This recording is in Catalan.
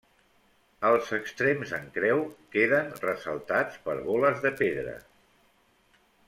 Els extrems en creu queden ressaltats per boles de pedra.